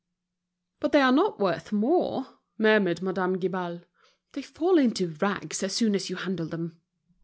"But they are not worth more," murmured Madame Guibal. "They fall into rags as soon as you handle them."